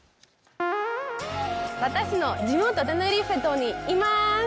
私の地元・テネリフェ島にいます！